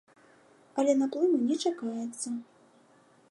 Але наплыву не чакаецца.